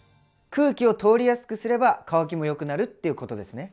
空気を通りやすくすれば乾きもよくなるっていうことですね。